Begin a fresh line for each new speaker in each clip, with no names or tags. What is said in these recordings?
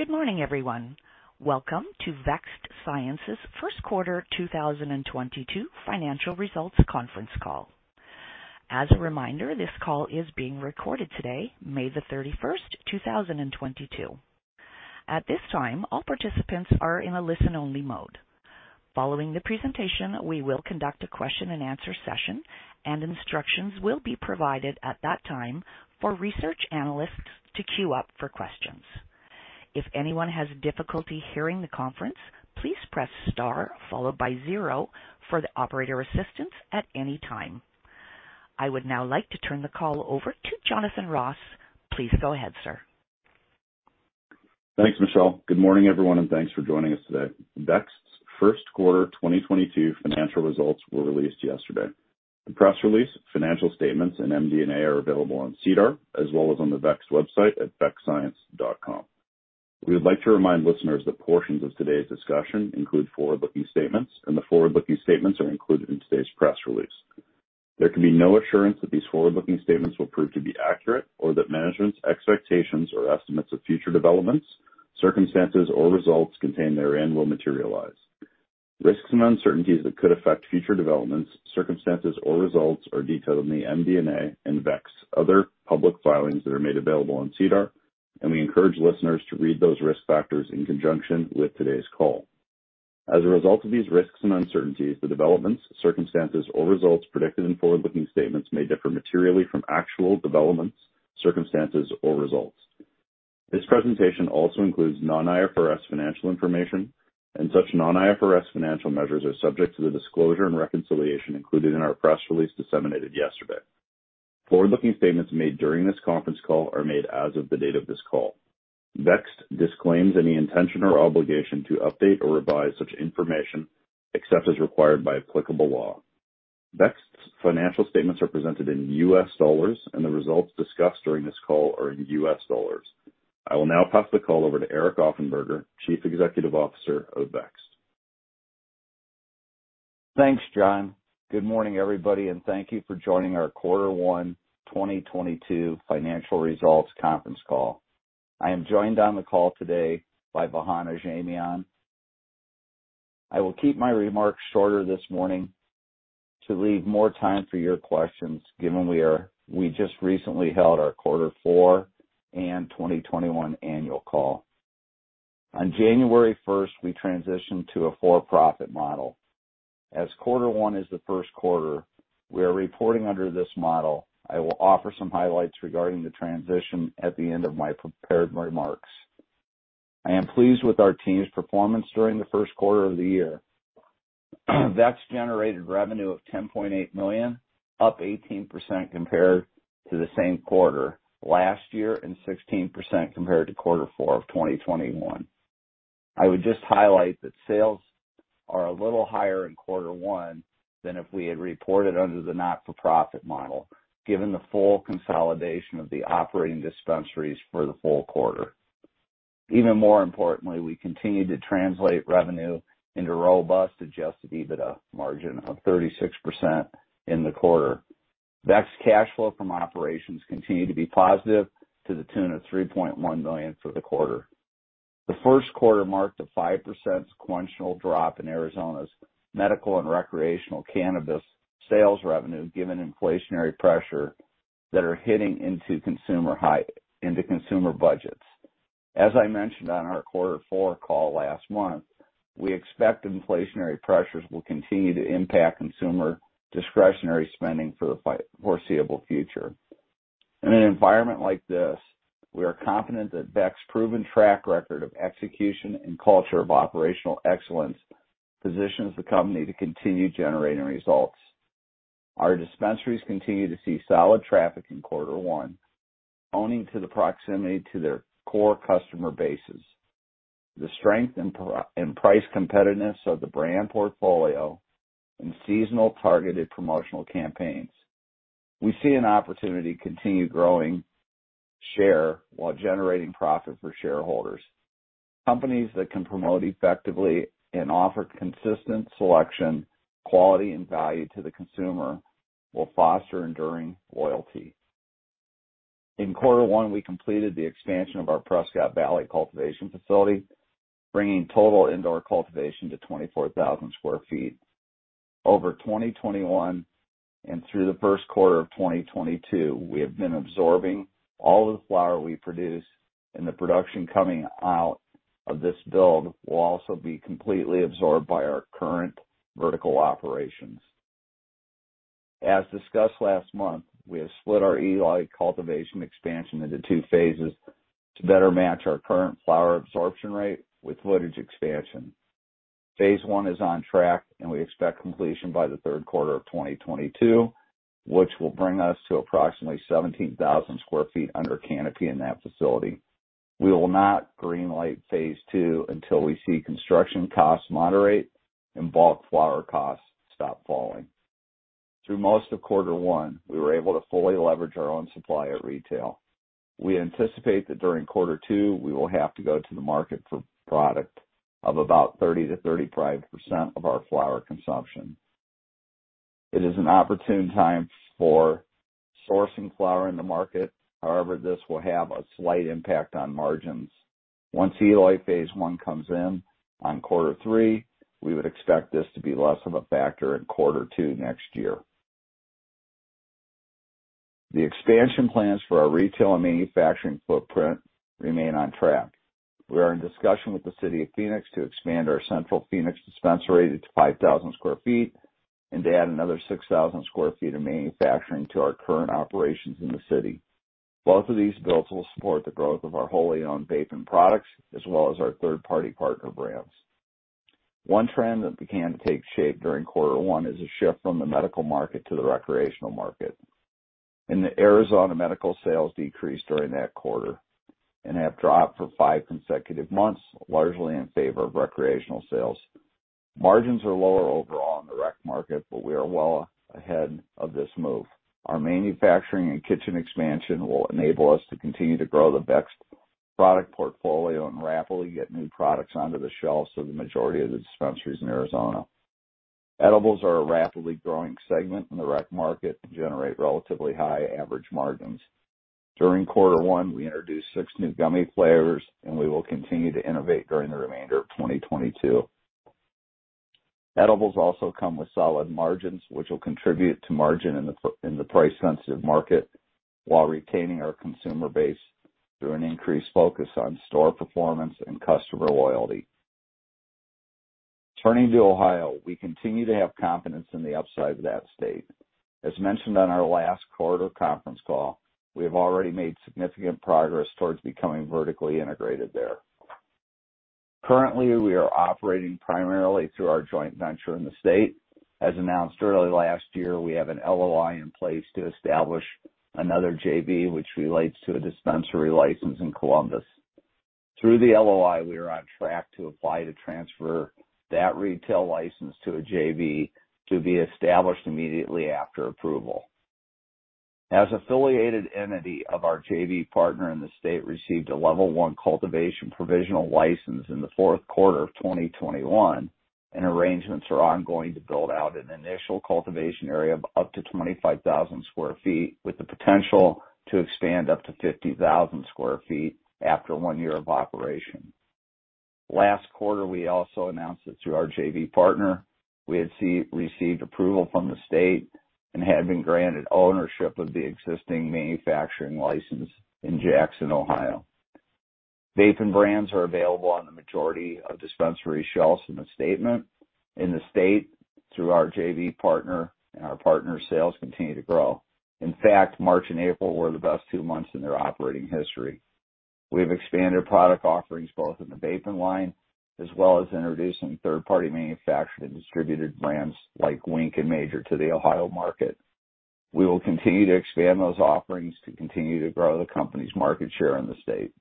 Good morning, everyone. Welcome to Vext Science's first quarter 2022 financial results conference call. As a reminder, this call is being recorded today, May 31st, 2022. At this time, all participants are in a listen-only mode. Following the presentation, we will conduct a question-and-answer session, and instructions will be provided at that time for research analysts to queue up for questions. If anyone has difficulty hearing the conference, please press star followed by zero for the operator assistance at any time. I would now like to turn the call over to Jonathan Ross. Please go ahead, sir.
Thanks, Michelle. Good morning, everyone, and thanks for joining us today. Vext's first quarter 2022 financial results were released yesterday. The press release, financial statements, and MD&A are available on SEDAR as well as on the Vext website at vextscience.com. We would like to remind listeners that portions of today's discussion include forward-looking statements, and the forward-looking statements are included in today's press release. There can be no assurance that these forward-looking statements will prove to be accurate, or that management's expectations or estimates of future developments, circumstances, or results contained therein will materialize. Risks and uncertainties that could affect future developments, circumstances, or results are detailed in the MD&A and Vext's other public filings that are made available on SEDAR, and we encourage listeners to read those risk factors in conjunction with today's call. As a result of these risks and uncertainties, the developments, circumstances, or results predicted in forward-looking statements may differ materially from actual developments, circumstances, or results. This presentation also includes non-IFRS financial information, and such non-IFRS financial measures are subject to the disclosure and reconciliation included in our press release disseminated yesterday. Forward-looking statements made during this conference call are made as of the date of this call. Vext disclaims any intention or obligation to update or revise such information, except as required by applicable law. Vext's financial statements are presented in U.S. dollars, and the results discussed during this call are in U.S. dollars. I will now pass the call over to Eric Offenberger, Chief Executive Officer of Vext.
Thanks, Jon. Good morning, everybody, and thank you for joining our quarter one 2022 financial results conference call. I am joined on the call today by Vahan Ajamian. I will keep my remarks shorter this morning to leave more time for your questions, given we just recently held our quarter four and 2021 annual call. On January first, we transitioned to a for-profit model. As quarter one is the first quarter we are reporting under this model, I will offer some highlights regarding the transition at the end of my prepared remarks. I am pleased with our team's performance during the first quarter of the year. Vext generated revenue of $10.8 million, up 18% compared to the same quarter last year and 16% compared to quarter four of 2021. I would just highlight that sales are a little higher in quarter one than if we had reported under the not-for-profit model, given the full consolidation of the operating dispensaries for the full quarter. Even more importantly, we continued to translate revenue into robust Adjusted EBITDA margin of 36% in the quarter. Vext cash flow from operations continued to be positive to the tune of $3.1 million for the quarter. The first quarter marked a 5% sequential drop in Arizona's medical and recreational cannabis sales revenue, given inflationary pressure that are hitting into consumer budgets. As I mentioned on our quarter four call last month, we expect inflationary pressures will continue to impact consumer discretionary spending for the foreseeable future. In an environment like this, we are confident that Vext's proven track record of execution and culture of operational excellence positions the company to continue generating results. Our dispensaries continue to see solid traffic in quarter one, owing to the proximity to their core customer bases. The strength and price competitiveness of the brand portfolio and seasonal targeted promotional campaigns. We see an opportunity to continue growing share while generating profit for shareholders. Companies that can promote effectively and offer consistent selection, quality, and value to the consumer will foster enduring loyalty. In quarter one, we completed the expansion of our Prescott Valley cultivation facility, bringing total indoor cultivation to 24,000 sq ft. Over 2021 and through the first quarter of 2022, we have been absorbing all the flower we produce, and the production coming out of this build will also be completely absorbed by our current vertical operations. As discussed last month, we have split our Eloy cultivation expansion into two phases to better match our current flower absorption rate with footage expansion. Phase 1 is on track, and we expect completion by the third quarter of 2022, which will bring us to approximately 17,000 sq ft under canopy in that facility. We will not green light Phase 2 until we see construction costs moderate and bulk flower costs stop falling. Through most of quarter one, we were able to fully leverage our own supply at retail. We anticipate that during quarter two, we will have to go to the market for product of about 30%-35% of our flower consumption. It is an opportune time for sourcing flower in the market. However, this will have a slight impact on margins. Once Eloy Phase 1 comes in on quarter three, we would expect this to be less of a factor in quarter two next year. The expansion plans for our retail and manufacturing footprint remain on track. We are in discussion with the City of Phoenix to expand our central Phoenix dispensary to 5,000 sq ft and to add another 6,000 sq ft of manufacturing to our current operations in the city. Both of these builds will support the growth of our wholly owned vaping products as well as our third-party partner brands. One trend that began to take shape during quarter one is a shift from the medical market to the recreational market. In Arizona medical sales decreased during that quarter and have dropped for five consecutive months, largely in favor of recreational sales. Margins are lower overall in the rec market, but we are well ahead of this move. Our manufacturing and kitchen expansion will enable us to continue to grow the Vext product portfolio and rapidly get new products onto the shelves of the majority of the dispensaries in Arizona. Edibles are a rapidly growing segment in the rec market and generate relatively high average margins. During quarter one, we introduced six new gummy flavors, and we will continue to innovate during the remainder of 2022. Edibles also come with solid margins, which will contribute to margin in the price-sensitive market while retaining our consumer base through an increased focus on store performance and customer loyalty. Turning to Ohio, we continue to have confidence in the upside of that state. As mentioned on our last quarter conference call, we have already made significant progress towards becoming vertically integrated there. Currently, we are operating primarily through our joint venture in the state. As announced early last year, we have an LOI in place to establish another JV, which relates to a dispensary license in Columbus. Through the LOI, we are on track to apply to transfer that retail license to a JV to be established immediately after approval. An affiliated entity of our JV partner in the state received a level one cultivation provisional license in Q4 2021, and arrangements are ongoing to build out an initial cultivation area of up to 25,000 sq ft, with the potential to expand up to 50,000 sq ft after one year of operation. Last quarter, we also announced that through our JV partner, we had received approval from the state and have been granted ownership of the existing manufacturing license in Jackson, Ohio. Vapen brands are available on the majority of dispensary shelves in the state. In the state, through our JV partner and our partner, sales continue to grow. In fact, March and April were the best two months in their operating history. We have expanded product offerings both in the vaping line as well as introducing third-party manufactured and distributed brands like WINK and MAJOR to the Ohio market. We will continue to expand those offerings to continue to grow the company's market share in the state.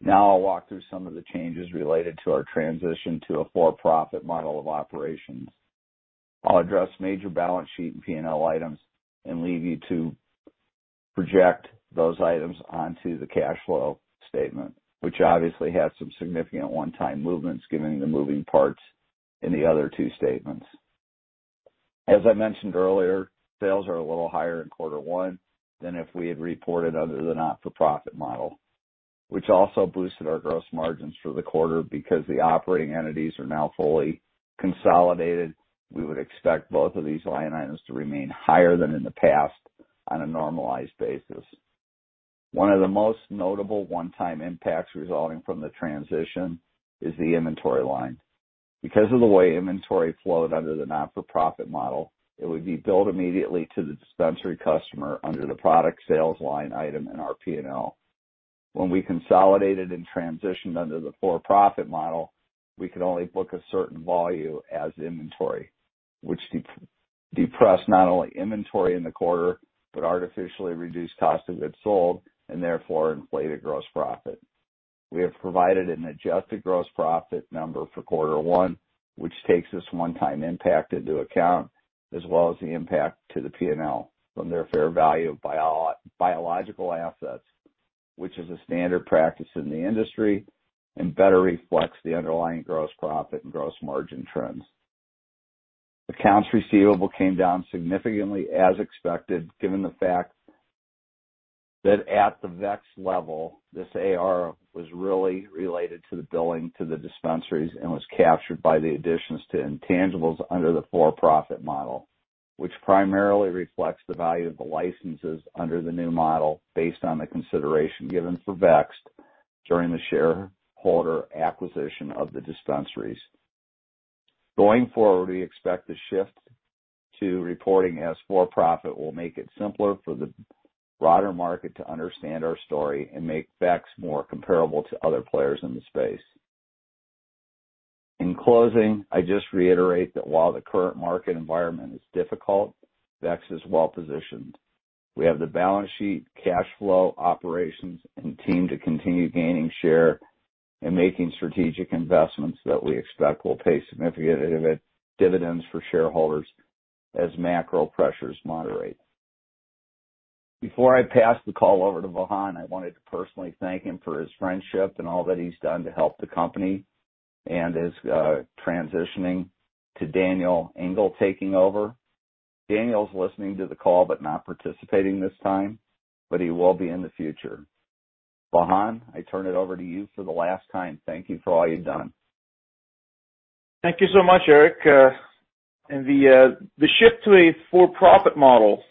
Now, I'll walk through some of the changes related to our transition to a for-profit model of operations. I'll address major balance sheet and P&L items and leave you to project those items onto the cash flow statement, which obviously has some significant one-time movements given the moving parts in the other two statements. As I mentioned earlier, sales are a little higher in quarter one than if we had reported under the not-for-profit model, which also boosted our gross margins for the quarter. Because the operating entities are now fully consolidated, we would expect both of these line items to remain higher than in the past on a normalized basis. One of the most notable one-time impacts resulting from the transition is the inventory line. Because of the way inventory flowed under the not-for-profit model, it would be billed immediately to the dispensary customer under the product sales line item in our P&L. When we consolidated and transitioned under the for-profit model, we could only book a certain value as inventory, which depressed not only inventory in the quarter, but artificially reduced cost of goods sold and therefore inflated gross profit. We have provided an adjusted gross profit number for quarter one, which takes this one-time impact into account, as well as the impact to the P&L from their fair value of biological assets, which is a standard practice in the industry and better reflects the underlying gross profit and gross margin trends. Accounts receivable came down significantly as expected, given the fact that at the Vext level, this AR was really related to the billing to the dispensaries and was captured by the additions to intangibles under the for-profit model, which primarily reflects the value of the licenses under the new model based on the consideration given for Vext during the shareholder acquisition of the dispensaries. Going forward, we expect the shift to reporting as for-profit will make it simpler for the broader market to understand our story and make Vext more comparable to other players in the space. In closing, I just reiterate that while the current market environment is difficult, Vext is well positioned. We have the balance sheet, cash flow, operations, and team to continue gaining share and making strategic investments that we expect will pay significant dividends for shareholders as macro pressures moderate. Before I pass the call over to Vahan, I wanted to personally thank him for his friendship and all that he's done to help the company and is transitioning to Daniel Engel taking over. Daniel's listening to the call, but not participating this time, but he will be in the future. Vahan, I turn it over to you for the last time. Thank you for all you've done.
Thank you so much, Eric. The shift to a for-profit model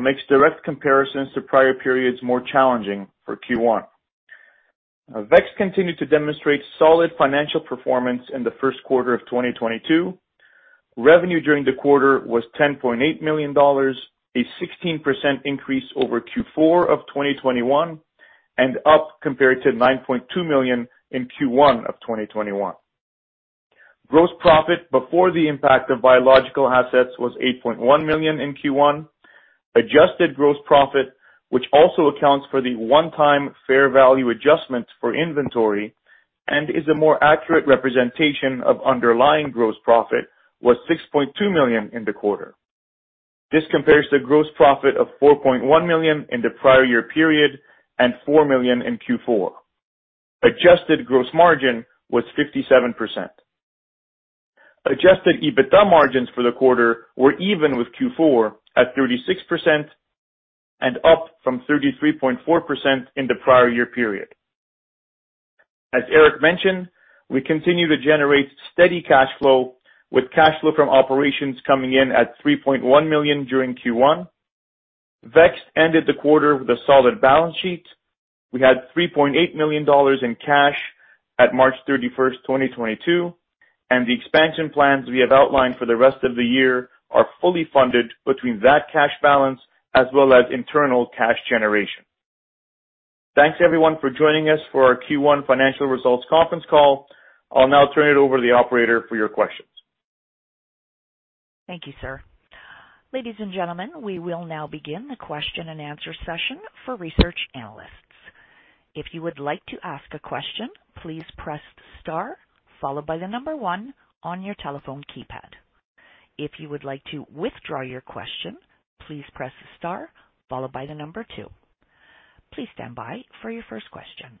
makes direct comparisons to prior periods more challenging for Q1. Vext continued to demonstrate solid financial performance in the first quarter of 2022. Revenue during the quarter was $10.8 million, a 16% increase over Q4 of 2021, and up compared to $9.2 million in Q1 of 2021. Gross profit before the impact of biological assets was $8.1 million in Q1. Adjusted gross profit, which also accounts for the one-time fair value adjustment for inventory and is a more accurate representation of underlying gross profit, was $6.2 million in the quarter. This compares to the gross profit of $4.1 million in the prior year period and $4 million in Q4. Adjusted gross margin was 57%. Adjusted EBITDA margins for the quarter were even with Q4 at 36% and up from 33.4% in the prior year period. As Eric mentioned, we continue to generate steady cash flow, with cash flow from operations coming in at $3.1 million during Q1. Vext ended the quarter with a solid balance sheet. We had $3.8 million in cash at March 31st, 2022, and the expansion plans we have outlined for the rest of the year are fully funded between that cash balance as well as internal cash generation. Thanks, everyone, for joining us for our Q1 financial results conference call. I'll now turn it over to the operator for your questions.
Thank you, sir. Ladies and gentlemen, we will now begin the question-and-answer session for research analysts. If you would like to ask a question, please press star followed by the number one on your telephone keypad. If you would like to withdraw your question, please press star followed by the number two. Please stand by for your first question.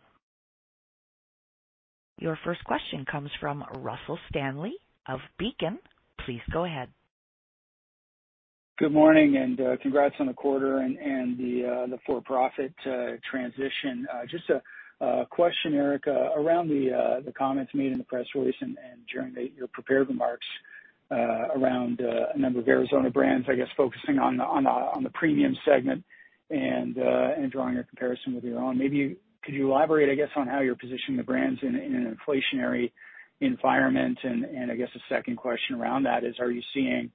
Your first question comes from Russell Stanley of Beacon. Please go ahead.
Good morning and congrats on the quarter and the for-profit transition. Just a question, Eric, around the comments made in the press release and during your prepared remarks around a number of Arizona brands, I guess, focusing on the premium segment and drawing a comparison with your own. Maybe could you elaborate, I guess, on how you're positioning the brands in an inflationary environment? I guess, the second question around that is, are you seeing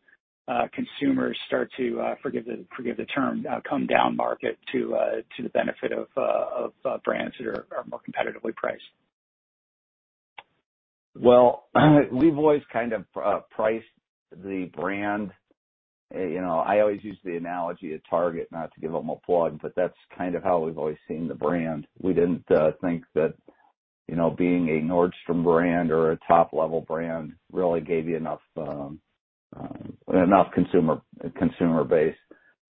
consumers start to forgive the term, come down market to the benefit of brands that are more competitively priced?
Well, we've always kind of priced the brand. You know, I always use the analogy of Target, not to give them a plug, but that's kind of how we've always seen the brand. We didn't think that, you know, being a Nordstrom brand or a top-level brand really gave you enough consumer base.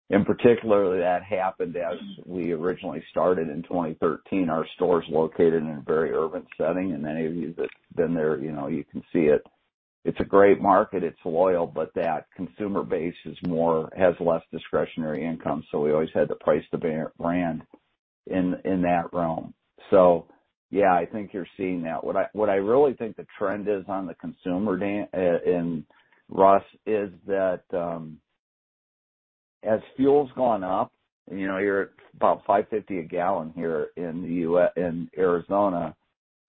In particular, that happened as we originally started in 2013, our store's located in a very urban setting, and any of you that's been there, you know, you can see it. It's a great market, it's loyal, but that consumer base has less discretionary income, so we always had to price the brand in that realm. Yeah, I think you're seeing that. What I really think the trend is on the consumer demand, and Russ, is that, as fuel's gone up, you know, you're at about $5.50 a gallon here in Arizona,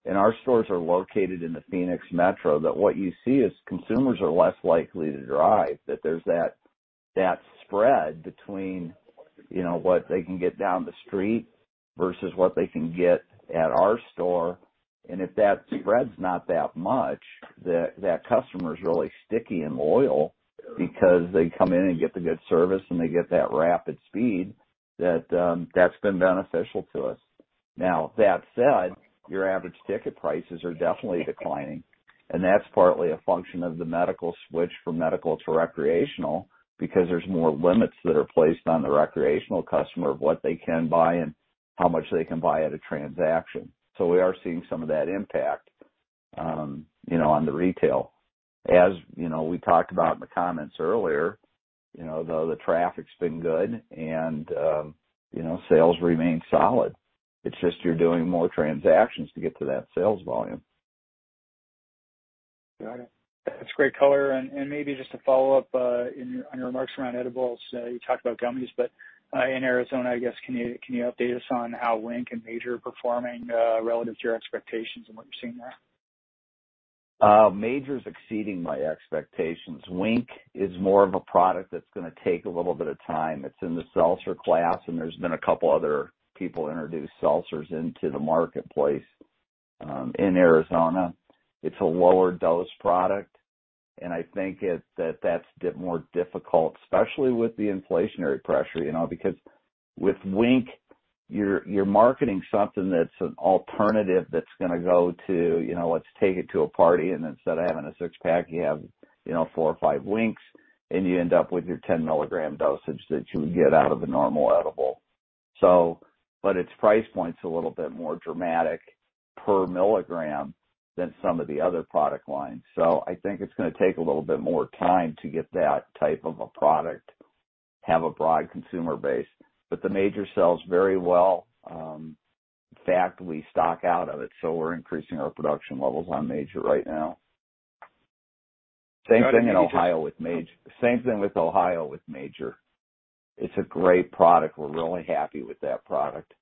and our stores are located in the Phoenix metro, that what you see is consumers are less likely to drive. That there's that spread between, you know, what they can get down the street versus what they can get at our store. If that spread's not that much, that customer's really sticky and loyal because they come in and get the good service, and they get that rapid speed that that's been beneficial to us. Now, that said, your average ticket prices are definitely declining, and that's partly a function of the medical switch from medical to recreational because there's more limits that are placed on the recreational customer of what they can buy and how much they can buy at a transaction. We are seeing some of that impact, you know, on the retail. As you know, we talked about in the comments earlier, you know, the traffic's been good and, you know, sales remain solid. It's just you're doing more transactions to get to that sales volume.
Got it. That's great color. Maybe just to follow up, on your remarks around edibles, you talked about gummies, but in Arizona, I guess, can you update us on how WINK and MAJOR are performing relative to your expectations and what you're seeing there?
MAJOR's exceeding my expectations. WINK is more of a product that's gonna take a little bit of time. It's in the seltzer class, and there's been a couple other people introduce seltzers into the marketplace, in Arizona. It's a lower dose product, and I think it's more difficult, especially with the inflationary pressure, you know, because with WINK, you're marketing something that's an alternative that's gonna go to, you know, let's take it to a party and instead of having a six-pack, you have, you know, four or five WINKs, and you end up with your 10 milligram dosage that you would get out of a normal edible. Its price point's a little bit more dramatic per milligram than some of the other product lines. I think it's gonna take a little bit more time to get that type of a product, have a broad consumer base. The MAJOR sells very well. In fact, we sell out of it, so we're increasing our production levels on MAJOR right now. Same thing in Ohio with MAJOR. It's a great product. We're really happy with that product.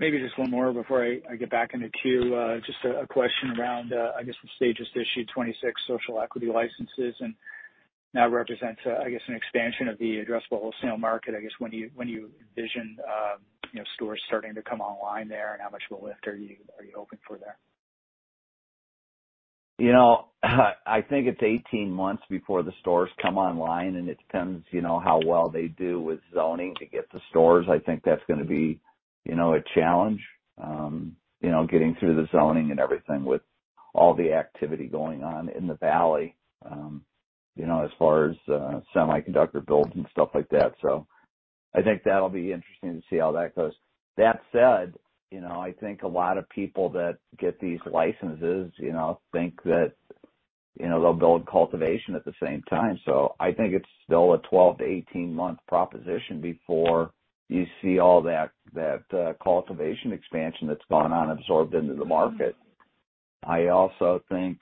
Maybe just one more before I get back in the queue. Just a question around, I guess the state just issued 26 social equity licenses, and that represents, I guess an expansion of the addressable wholesale market. I guess, when you envision, you know, stores starting to come online there and how much of a lift are you hoping for there?
You know, I think it's 18 months before the stores come online, and it depends, you know, how well they do with zoning to get the stores. I think that's gonna be, you know, a challenge, you know, getting through the zoning and everything with all the activity going on in the valley, you know, as far as semiconductor builds and stuff like that. I think that'll be interesting to see how that goes. That said, you know, I think a lot of people that get these licenses, you know, think that, you know, they'll build cultivation at the same time. I think it's still a 12 to 18 month proposition before you see all that cultivation expansion that's gone on absorbed into the market. I also think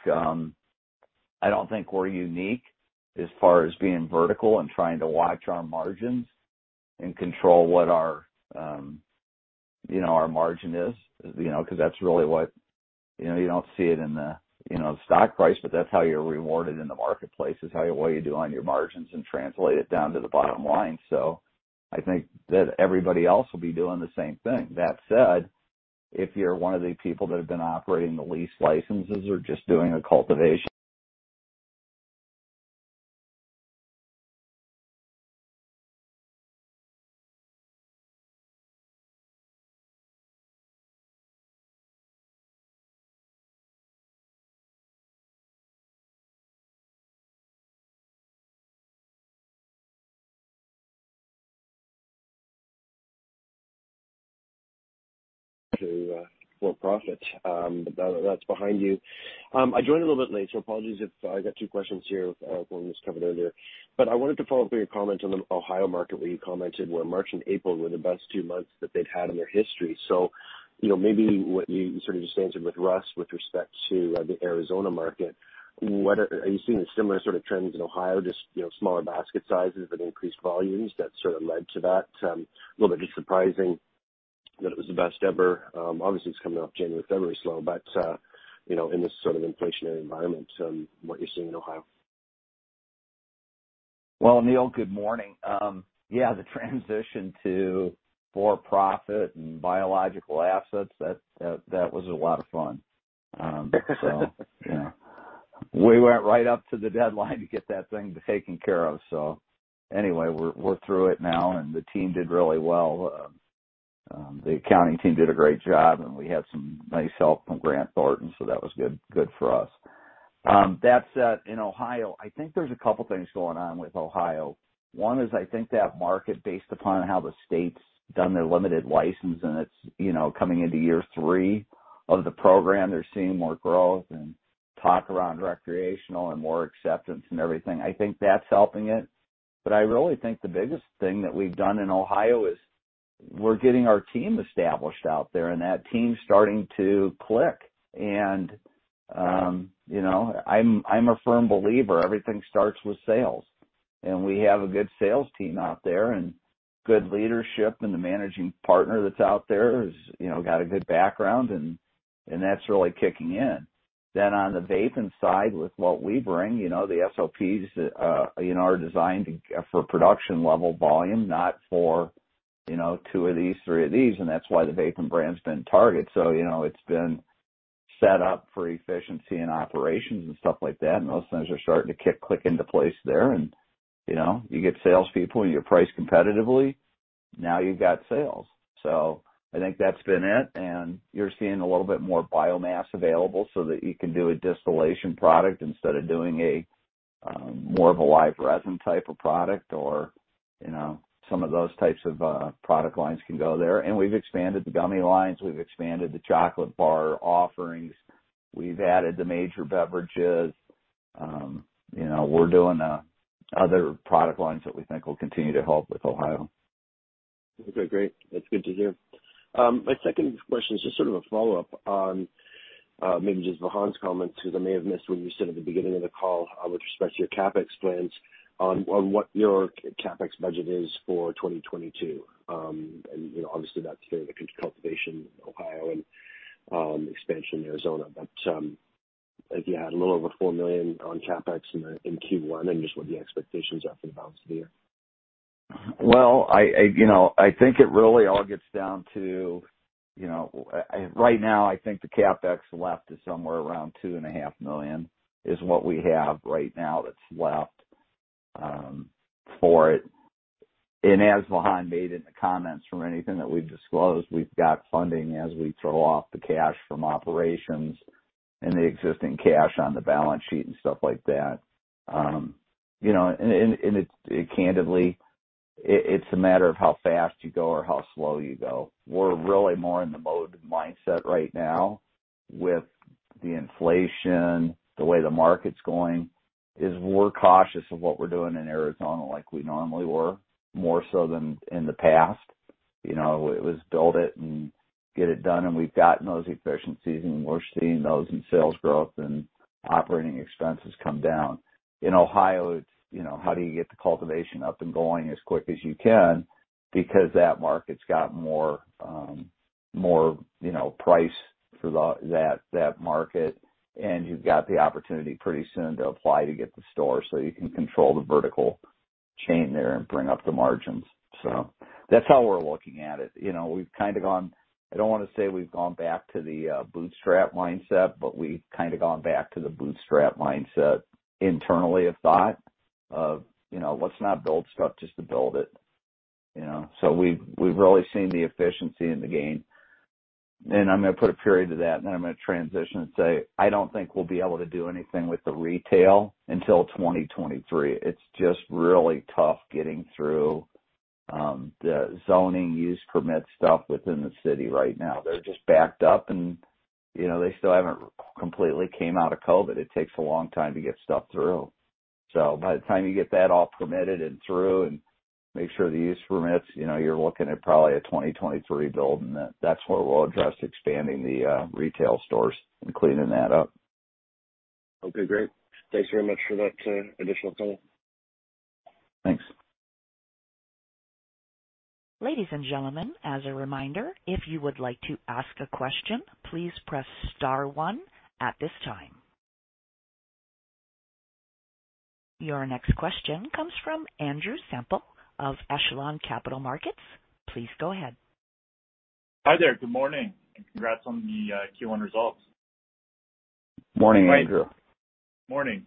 I don't think we're unique as far as being vertical and trying to watch our margins and control what our, you know, our margin is, you know, 'cause that's really what you know. You don't see it in the, you know, stock price, but that's how you're rewarded in the marketplace. It's how, what you do on your margins and translate it down to the bottom line. I think that everybody else will be doing the same thing. That said, if you're one of the people that have been operating the lease licenses or just doing a cultivation.
That's behind you. I joined a little bit late, so apologies if I got two questions here, one was covered earlier. I wanted to follow up on your comment on the Ohio market, where you commented March and April were the best two months that they'd had in their history. You know, maybe what you sort of just answered with Russ with respect to the Arizona market. Are you seeing the similar sort of trends in Ohio, just, you know, smaller basket sizes but increased volumes that sort of led to that? A little bit surprising that it was the best ever. Obviously it's coming off January, February slow, but, you know, in this sort of inflationary environment, what you're seeing in Ohio.
Well, Neil, good morning. Yeah, the transition to for-profit and biological assets, that was a lot of fun. You know, we went right up to the deadline to get that thing taken care of. We're through it now and the team did really well. The accounting team did a great job, and we had some nice help from Grant Thornton, so that was good for us. That said, in Ohio, I think there's a couple things going on with Ohio. One is, I think that market, based upon how the state's done their limited license, and it's coming into year three of the program, they're seeing more growth and talk around recreational and more acceptance and everything. I think that's helping it. I really think the biggest thing that we've done in Ohio is we're getting our team established out there, and that team's starting to click. You know, I'm a firm believer everything starts with sales. We have a good sales team out there and good leadership, and the managing partner that's out there has, you know, got a good background and that's really kicking in. On the vaping side, with what we bring, you know, the SOPs, you know, are designed for production level volume, not for, you know, two of these, three of these, and that's why the vaping brand's been targeted. You know, it's been set up for efficiency and operations and stuff like that, and those things are starting to kick, click into place there and, you know, you get sales people and you're priced competitively, now you've got sales. I think that's been it. You're seeing a little bit more biomass available so that you can do a distillation product instead of doing a more of a live resin type of product or, you know, some of those types of product lines can go there. We've expanded the gummy lines. We've expanded the chocolate bar offerings. We've added the MAJOR beverages. You know, we're doing other product lines that we think will continue to help with Ohio.
Okay, great. That's good to hear. My second question is just sort of a follow-up on maybe just Vahan's comment, because I may have missed what you said at the beginning of the call with respect to your CapEx plans on what your CapEx budget is for 2022. You know, obviously that's driven the cultivation in Ohio and expansion in Arizona. If you had a little over $4 million on CapEx in Q1, and just what the expectations are for the balance of the year.
Well, you know, I think it really all gets down to. You know, right now I think the CapEx left is somewhere around $2.5 million is what we have right now that's left, for it. As Vahan made in the comments from anything that we've disclosed, we've got funding as we throw off the cash from operations and the existing cash on the balance sheet and stuff like that. You know, and it, candidly, it's a matter of how fast you go or how slow you go. We're really more in the mode and mindset right now with the inflation, the way the market's going, is we're cautious of what we're doing in Arizona like we normally were, more so than in the past. You know, it was build it and get it done, and we've gotten those efficiencies, and we're seeing those in sales growth and operating expenses come down. In Ohio, it's you know, how do you get the cultivation up and going as quick as you can because that market's got more you know price for that market, and you've got the opportunity pretty soon to apply to get the store so you can control the vertical chain there and bring up the margins. So that's how we're looking at it. You know, we've kind of gone I don't want to say we've gone back to the bootstrap mindset, but we've kind of gone back to the bootstrap mindset internally of thought of you know, let's not build stuff just to build it, you know. So we've really seen the efficiency and the gain. I'm gonna put a period to that, and then I'm gonna transition and say, I don't think we'll be able to do anything with the retail until 2023. It's just really tough getting through the zoning use permit stuff within the city right now. They're just backed up and, you know, they still haven't completely came out of COVID. It takes a long time to get stuff through. By the time you get that all permitted and through and make sure the use permits, you know, you're looking at probably a 2023 build, and that's where we'll address expanding the retail stores and cleaning that up.
Okay, great. Thanks very much for that, additional color.
Thanks.
Ladies and gentlemen, as a reminder, if you would like to ask a question, please press star one at this time. Your next question comes from Andrew Semple of Echelon Capital Markets. Please go ahead.
Hi there. Good morning, and congrats on the Q1 results.
Morning, Andrew.
Morning.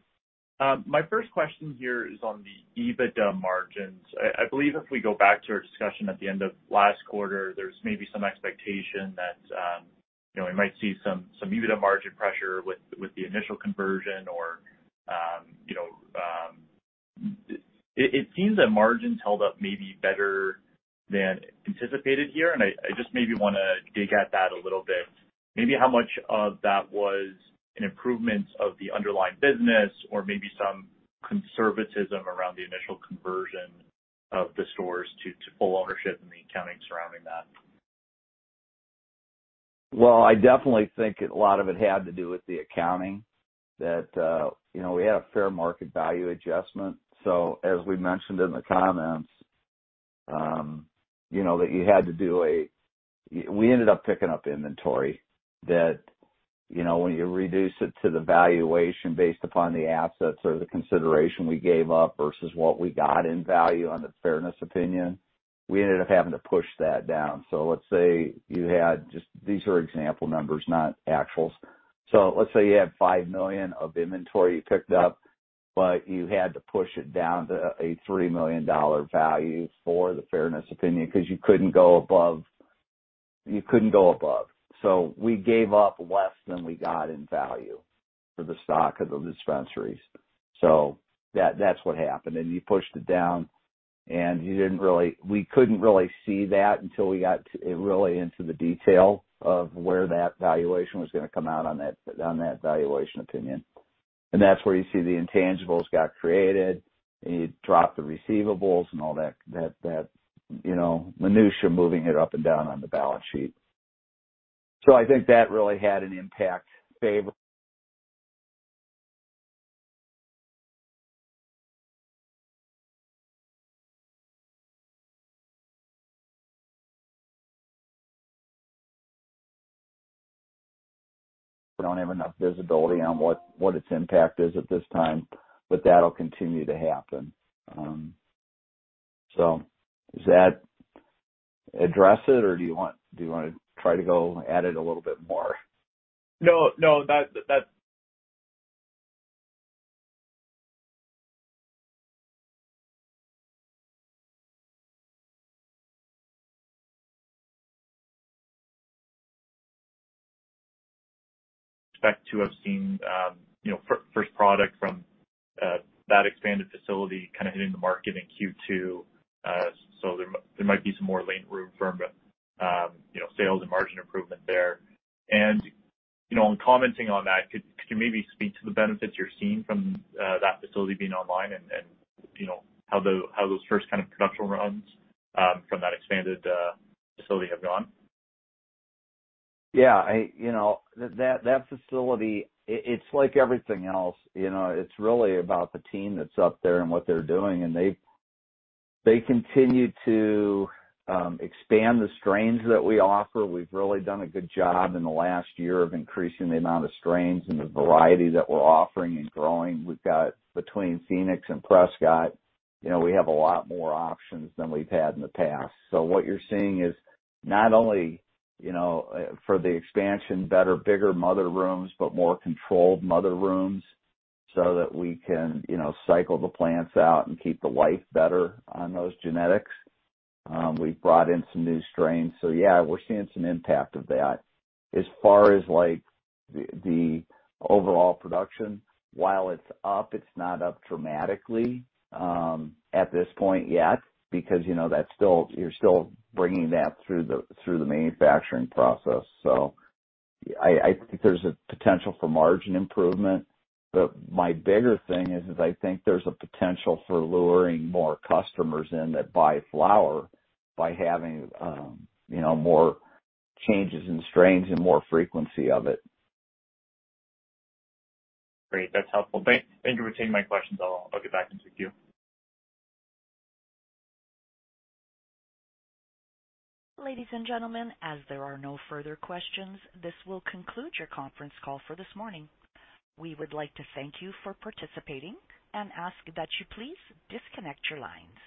My first question here is on the EBITDA margins. I believe if we go back to our discussion at the end of last quarter, there's maybe some expectation that, you know, we might see some EBITDA margin pressure with the initial conversion or, you know. It seems that margins held up maybe better than anticipated here, and I just maybe wanna dig at that a little bit. Maybe how much of that was an improvement of the underlying business or maybe some conservatism around the initial conversion of the stores to full ownership and the accounting surrounding that?
Well, I definitely think a lot of it had to do with the accounting that, you know, we had a fair market value adjustment. As we mentioned in the comments, you know, we ended up picking up inventory that, you know, when you reduce it to the valuation based upon the assets or the consideration we gave up versus what we got in value on the fairness opinion, we ended up having to push that down. These are example numbers, not actuals. Let's say you had $5 million of inventory you picked up, but you had to push it down to a $3 million value for the fairness opinion because you couldn't go above. We gave up less than we got in value for the stock of the dispensaries. That's what happened. You pushed it down, and you didn't really. We couldn't really see that until we got to really into the detail of where that valuation was gonna come out on that valuation opinion. That's where you see the intangibles got created, and you drop the receivables and all that, you know, minutiae moving it up and down on the balance sheet. I think that really had an impact. We don't have enough visibility on what its impact is at this time, but that'll continue to happen. Does that address it, or do you wanna try to go at it a little bit more?
No. Expect to have seen, you know, first product from that expanded facility kind of hitting the market in Q2. So there might be some more headroom for, you know, sales and margin improvement there. In commenting on that, could you maybe speak to the benefits you're seeing from that facility being online and, you know, how those first kind of production runs from that expanded facility have gone?
Yeah. You know, that facility, it's like everything else, you know. It's really about the team that's up there and what they're doing, and they continue to expand the strains that we offer. We've really done a good job in the last year of increasing the amount of strains and the variety that we're offering and growing. We've got between Phoenix and Prescott, you know, we have a lot more options than we've had in the past. What you're seeing is not only, you know, for the expansion, better, bigger mother rooms, but more controlled mother rooms so that we can, you know, cycle the plants out and keep the life better on those genetics. We've brought in some new strains. Yeah, we're seeing some impact of that. As far as, like, the overall production, while it's up, it's not up dramatically at this point yet because you know that's still. You're still bringing that through the manufacturing process. I think there's a potential for margin improvement, but my bigger thing is I think there's a potential for luring more customers in that buy flower by having you know more changes in strains and more frequency of it.
Great. That's helpful. Thank you for taking my questions. I'll get back into queue.
Ladies and gentlemen, as there are no further questions, this will conclude your conference call for this morning. We would like to thank you for participating and ask that you please disconnect your lines.